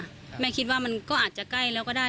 ขึ้นมาหลก็คิดว่ามันก็อาจจะใกล้แล้วก็ได้